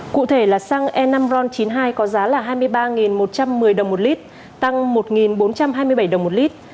cụ thể là xăng e năm ron chín mươi hai có giá là hai mươi ba một trăm một mươi đồng một lít tăng một bốn trăm hai mươi bảy đồng một lít